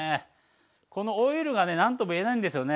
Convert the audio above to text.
このオイルが何とも言えないんですよね